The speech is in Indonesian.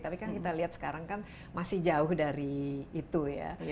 tapi kan kita lihat sekarang kan masih jauh dari itu ya